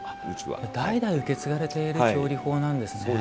代々、受け継がれている調理法なんですね。